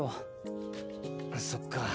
そっか。